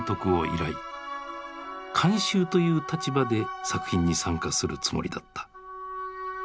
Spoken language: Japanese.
監修という立場で作品に参加するつもりだった。